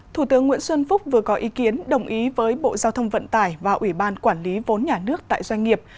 thủ tướng nguyễn xuân phúc vừa có ý kiến đồng ý với bộ giao thông vận tải và ủy ban quản lý vốn nhà nước tại doanh nghiệp